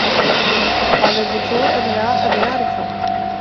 قال الدكتور ان لا احد يعرفه